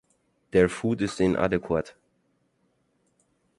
Their food is inadequate.